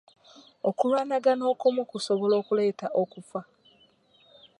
Okulwanagana okumu kusobola okuleeta okufa.